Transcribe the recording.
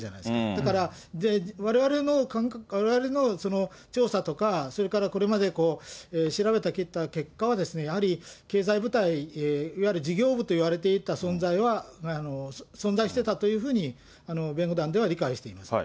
だから、われわれの調査とか、それから、これまで調べてきた結果は、やはり経済部隊、いわゆる事業部といわれていた存在は、存在してたというふうに弁護団では理解しています。